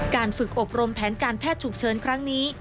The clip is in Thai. การฝึกอบรมแผนการแพทย์ฉุกเฉินครั้งนี้